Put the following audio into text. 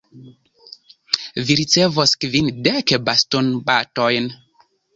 Vi ricevos kvindek bastonbatojn.